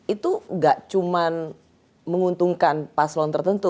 itu gak cuma menguntungkan paslon tertentu